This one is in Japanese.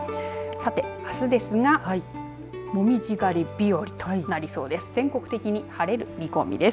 さて、あすですがモミジ狩り日和となりそうです。